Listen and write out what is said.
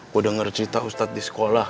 gue dengar cerita ustadz di sekolah